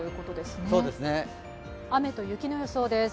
雨と雪の予想です。